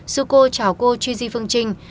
sư cô chào cô chi di phương trinh